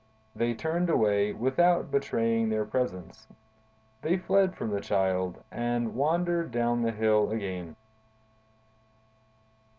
They turned away without betraying their presence. They fled from the Child, and wandered down the hill again.